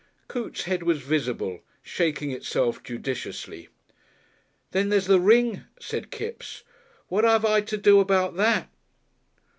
Coote's head was visible, shaking itself judiciously. "Then there's the ring," said Kipps. "What 'ave I to do about that?"